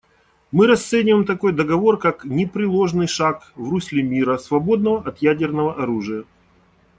Мы расцениваем такой договор как непреложный шаг в русле мира, свободного от ядерного оружия.